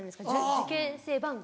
受験生番号？